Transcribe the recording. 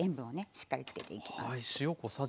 しっかりつけていきます。